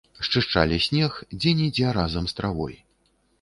Счышчалі снег, дзе-нідзе разам з травой.